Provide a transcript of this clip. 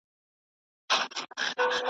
حرص غالب سي عقل ولاړ سي مرور سي .